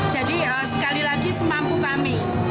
jadi sekali lagi semampu kami